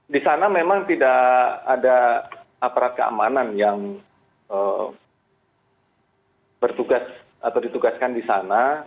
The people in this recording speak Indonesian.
di sana memang tidak ada aparat keamanan yang bertugas atau ditugaskan di sana